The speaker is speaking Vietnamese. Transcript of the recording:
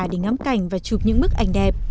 để ngắm cảnh và chụp những bức ảnh đẹp